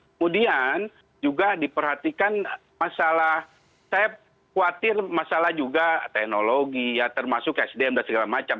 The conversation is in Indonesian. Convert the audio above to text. kemudian juga diperhatikan masalah saya khawatir masalah juga teknologi ya termasuk sdm dan segala macam